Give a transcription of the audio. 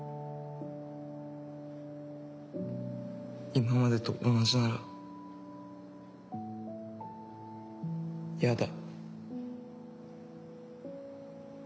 今までと同じならやだ。